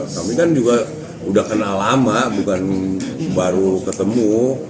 kami kan juga udah kenal lama bukan baru ketemu